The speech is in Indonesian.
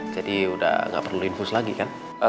jadi udah gak perlu infus lagi kan